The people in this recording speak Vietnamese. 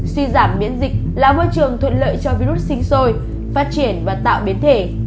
suy giảm biến dịch là môi trường thuận lợi cho virus sinh sôi phát triển và tạo biến thể